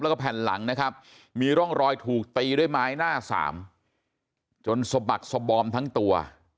แล้วก็แผ่นหลังนะครับมีร่องรอยถูกตีด้วยไม้หน้าสามจนสะบักสบอมทั้งตัว